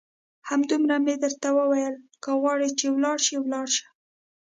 همدومره مې درته وویل، که غواړې چې ولاړ شې ولاړ شه.